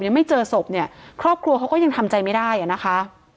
ยังไม่เจอศพเนี่ยครอบครัวเขาก็ยังทำใจไม่ได้อ่ะนะคะ